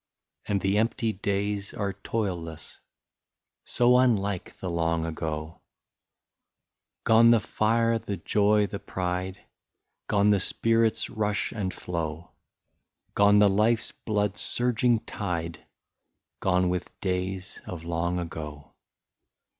And the empty days are toilless, — So unlike the long ago ! Gone, the fire, the joy, the pride. Gone, the spirits' rush and flow, Gone, the life blood's surging tide, Gone with days of long ago.